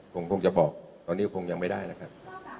คงจะบอกตอนนี้ก็คงยังไม่ได้นะครับ